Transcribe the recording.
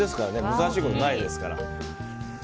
難しいことないですから。